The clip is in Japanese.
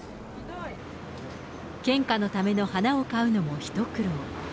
献花のための花を買うのも一苦労。